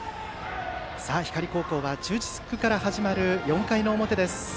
光高校は中軸から始まる４回表。